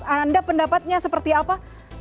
anda pendapatnya seperti apa